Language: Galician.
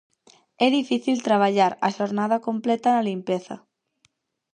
É difícil traballar a xornada completa na limpeza.